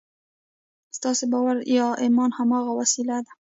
ستاسې باور يا ايمان هماغه وسيله ده.